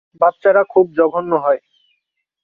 বাচ্চারা খুব জঘন্য হয়।